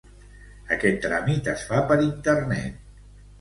Aquest tràmit es fa per Internet.